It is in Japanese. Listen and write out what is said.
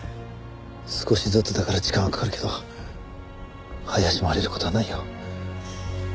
少しずつだから時間はかかるけど怪しまれる事はないよ。